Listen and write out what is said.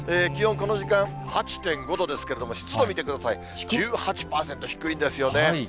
気温、この時間８．５度ですけれども、湿度見てください、１８％、低いんですよね。